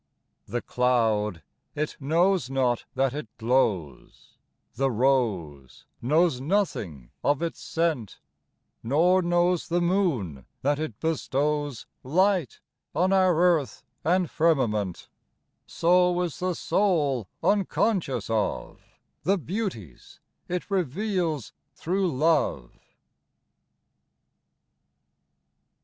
The cloud, it knows not that it glows; The rose knows nothing of its scent; Nor knows the moon that it bestows Light on our earth and firmament So is the soul unconscious of The beauties it reveals through LOVE.